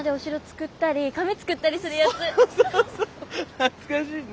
懐かしいな。